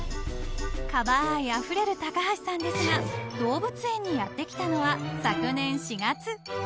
［カバ愛あふれる高橋さんですが動物園にやって来たのは昨年４月］